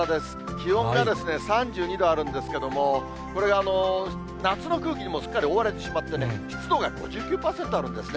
気温が３２度あるんですけれども、これが夏の空気にすっかり覆われてしまってね、湿度が５９％あるんですね。